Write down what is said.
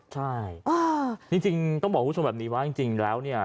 ใช่จริงต้องบอกคุณผู้ชมแบบนี้ว่าจริงแล้วเนี่ย